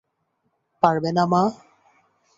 পারবে না মা?